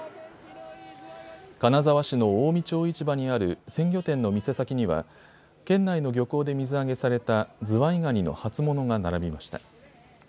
金沢市の近江町市場にある鮮魚店の店先には県内の漁港で水揚げされたズワイガニの初物が並びました。